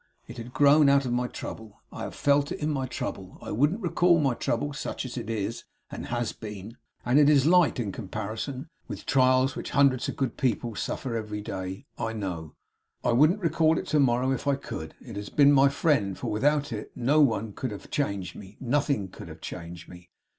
It has grown out of my trouble. I have felt it in my trouble. I wouldn't recall my trouble such as it is and has been and it is light in comparison with trials which hundreds of good people suffer every day, I know I wouldn't recall it to morrow, if I could. It has been my friend, for without it no one could have changed me; nothing could have changed me.